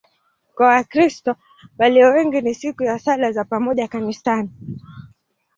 Kwa Wakristo walio wengi ni siku ya sala za pamoja kanisani.